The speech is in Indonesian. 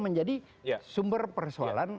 menjadi sumber persoalan